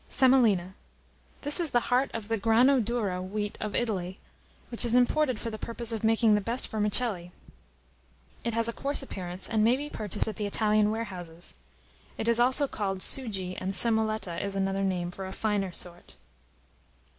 SEMOLINA. This is the heart of the grano duro wheat of Italy, which is imported for the purpose of making the best vermicelli. It has a coarse appearance, and may be purchased at the Italian warehouses. It is also called soojee; and semoletta is another name for a finer sort.